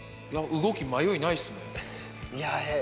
動き迷いないですもん。